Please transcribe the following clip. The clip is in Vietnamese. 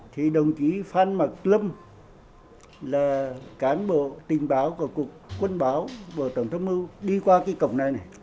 thì đồng chí phan mạc lâm là cán bộ tình báo của quân báo và tổng thống mưu đi qua cái cổng này này